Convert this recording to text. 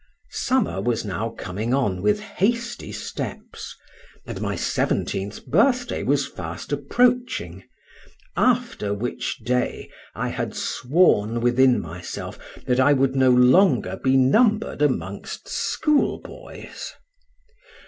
Summer was now coming on with hasty steps, and my seventeenth birthday was fast approaching, after which day I had sworn within myself that I would no longer be numbered amongst schoolboys.